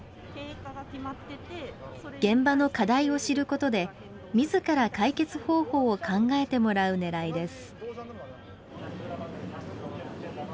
現場の課題を知ることでみずから解決方法を考えてもらう、ねらいです。